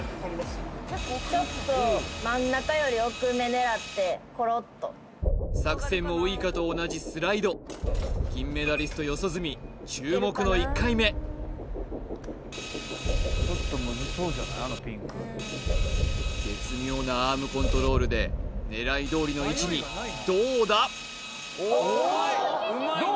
ちょっと真ん中より奥め狙ってコロッと作戦もウイカと同じスライド金メダリスト四十住注目の１回目絶妙なアームコントロールで狙い通りの位置にどうだ？